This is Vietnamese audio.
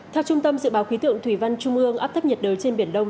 theo trung tâm dự báo khí tượng thủy văn trung ương áp thấp nhiệt đới trên biển đông